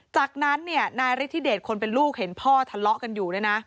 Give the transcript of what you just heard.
จากนั้นนายฤทธิเดชคนเป็นลูกเห็นพ่อทะเลาะกันอยู่ด้วยนะ